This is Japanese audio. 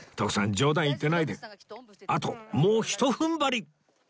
冗談言ってないであともうひと踏ん張り！